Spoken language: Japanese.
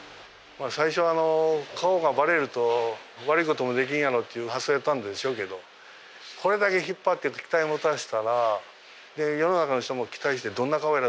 最初は顔がバレると悪いこともできんやろっていう発想やったんでしょうけどこれだけ引っ張って期待を持たしたら世の中の人も期待して「どんな顔やろ？